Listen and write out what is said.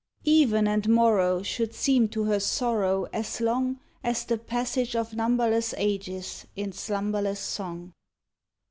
Even and morrow should seem to her sorrow as long As the passage of numberless ages in slumberless song.